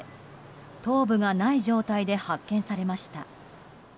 頭部がない状態で発見されました。